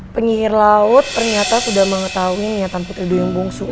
penyihir laut ternyata sudah mengetahui niatan putri duyung bungsu